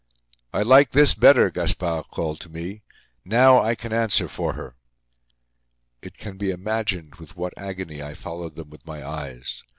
"I like this better!" Gaspard called to me. "Now, I can answer for her!" It can be imagined with what agony I followed them with my eyes.